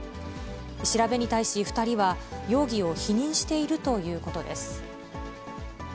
調べに対し２人は、容疑を否認しているということです。